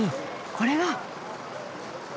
これが。